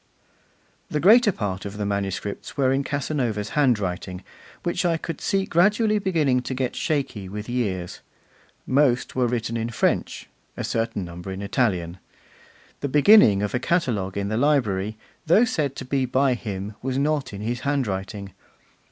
The greater part of the manuscripts were in Casanova's handwriting, which I could see gradually beginning to get shaky with years. Most were written in French, a certain number in Italian. The beginning of a catalogue in the library, though said to be by him, was not in his handwriting.